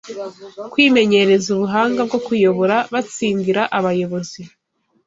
kwimenyereza ubuhanga bwo kuyobora batsindira abayobozi